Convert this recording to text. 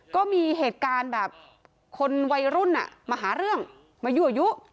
ก็มีเหตุการณ์แบบคนวัยรุ่นมาหาเรื่องมายั่วยุ